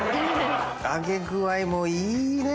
揚げ具合もいいねぇ！